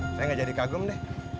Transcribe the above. ya saya gak jadi kagum deh